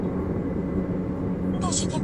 هلک په مينه د انا غاړې ته لاسونه واچول.